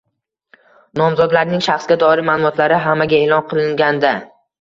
nomzodlarning shaxsga doir ma’lumotlari hammaga e’lon qilinganda;